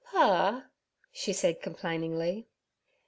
'Pa' she said complainingly.